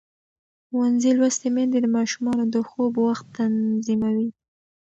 ښوونځې لوستې میندې د ماشومانو د خوب وخت تنظیموي.